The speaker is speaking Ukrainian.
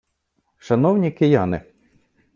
Шановні кияни!